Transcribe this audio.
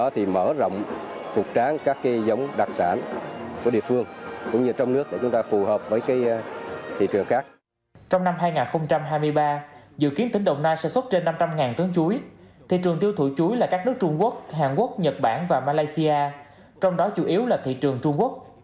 trong năm hai nghìn hai mươi ba dự kiến tỉnh đồng nai sản xuất trên năm trăm linh tấn chuối thị trường tiêu thụ chuối là các nước trung quốc hàn quốc nhật bản và malaysia trong đó chủ yếu là thị trường trung quốc